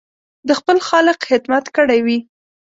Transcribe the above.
د خپل خالق خدمت کړی وي.